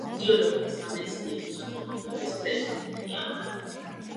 ფიზიოლოგთა სამეცნიერო საზოგადოების პრეზიდენტია.